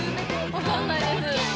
分かんないです。